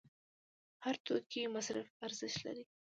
هر توکی مصرفي ارزښت لري.